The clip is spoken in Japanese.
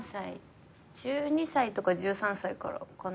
１２歳とか１３歳からかな。